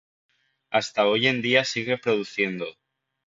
Hasta hoy en día sigue produciendo.